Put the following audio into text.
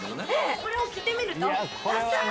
「これを着てみると」